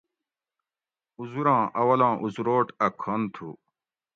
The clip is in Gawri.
اُزراں اولاں اُزروٹ اۤ کھن تھو